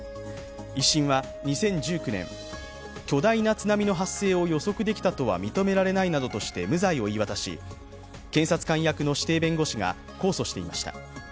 １審は２０１９年、巨大な津波の発生を予測できたとは認められないなどして無罪を言い渡し、検察官役の指定弁護士が控訴していました。